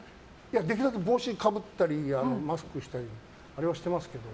できるだけ帽子かぶったりマスクしたりしてますけど。